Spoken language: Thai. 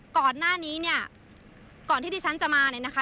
ก่อนหน้านี้เนี่ยก่อนที่ที่ฉันจะมาเนี่ยนะคะ